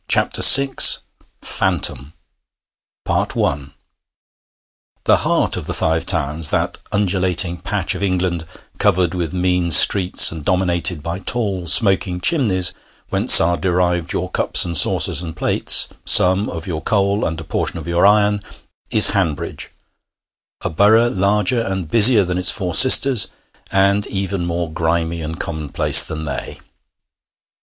PHANTOM I The heart of the Five Towns that undulating patch of England covered with mean streets, and dominated by tall smoking chimneys, whence are derived your cups and saucers and plates, some of your coal, and a portion of your iron is Hanbridge, a borough larger and busier than its four sisters, and even more grimy and commonplace than they.